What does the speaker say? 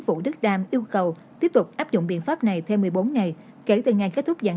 vũ đức đam yêu cầu tiếp tục áp dụng biện pháp này thêm một mươi bốn ngày kể từ ngày kết thúc dạng